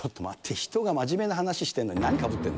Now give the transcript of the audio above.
人が真面目な話してんのに、何かぶってるの。